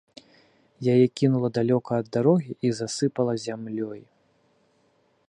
Яе кінула далёка ад дарогі і засыпала зямлёй.